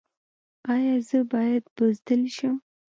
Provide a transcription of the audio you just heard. ایا زه باید بزدل شم؟